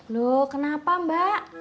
loh kenapa mbak